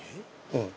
うん。